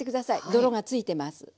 泥がついてます。